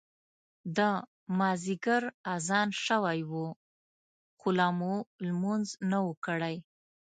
د مازیګر اذان شوی و خو لا مو لمونځ نه و کړی.